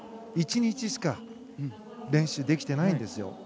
１日しか練習できていないんですよ。